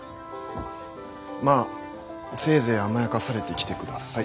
まあせいぜい甘やかされてきてください。